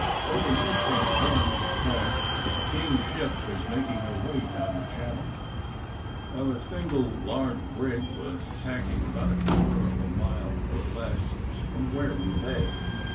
Over near St. Helen's Point a King's ship was making her way down the channel, while a single large brig was tacking about a quarter of a mile or less from where we lay.